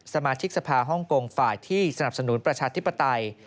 สมาชิกสภาฮ่องกงฝ่ายที่สนับสนุนประชาธิปไตย